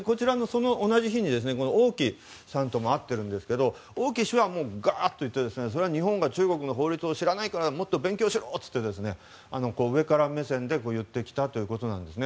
同じ日に王毅さんとも会っているんですが王毅氏はガーッと言って日本が中国の法律を知らないからもっと勉強しろと言って上から目線で言ってきたということなんですね。